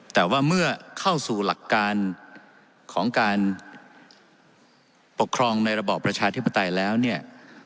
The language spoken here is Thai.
แต่ว่าเมื่อเข้าสู่หลักการของการปกครองในระบอบประชาธิปไตยแล้วเนี่ย